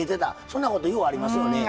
そんなことようありますよね。